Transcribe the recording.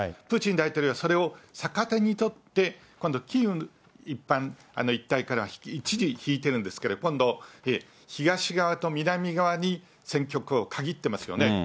プーチン大統領はそれを逆手にとって、今度キーウ一帯からは一時引いてるんですけど、今度、東側と南側に戦局を限ってますよね。